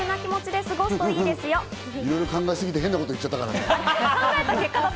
いろいろ考えすぎて、変なこと言っちゃったからな。